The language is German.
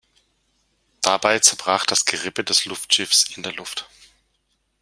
Dabei zerbrach das Gerippe des Luftschiffs in der Luft.